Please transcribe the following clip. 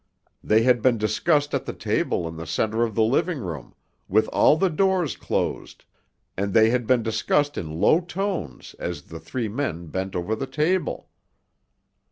They had been discussed at the table in the center of the living room, with all the doors closed, and they had been discussed in low tones as the three men bent over the table.